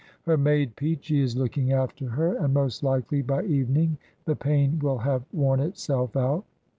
Her maid Peachey is looking after her, and most likely by evening the pain will have worn itself out.'